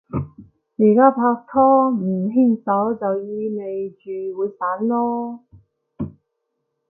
而家拍拖，唔牽手就意味住會散囉